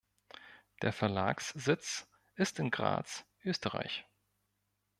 Der Verlagssitz ist in Graz, Österreich.